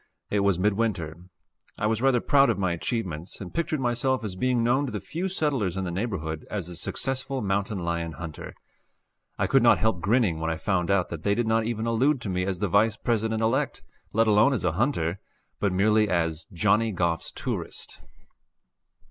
It was midwinter. I was rather proud of my achievements, and pictured myself as being known to the few settlers in the neighborhood as a successful mountain lion hunter. I could not help grinning when I found out that they did not even allude to me as the Vice President elect, let alone as a hunter, but merely as "Johnny Goff's tourist."